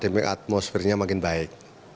dengan akademik atmosfernya makin baik